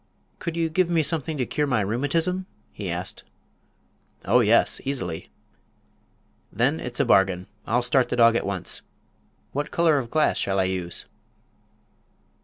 "Could you give me something to cure my rheumatism?" he asked. "Oh, yes; easily." "Then it's a bargain. I'll start the dog at once. What color of glass shall I use?"